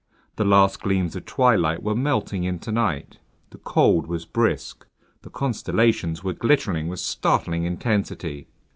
The last gleams of twilight were melting into night. The cold was brisk. The constellations were glittering with startling intensity.